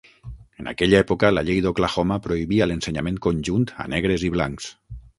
En aquella època, la llei d'Oklahoma prohibia l'ensenyament conjunt a negres i blancs.